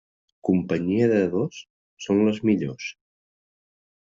Companyia de dos, són les millors.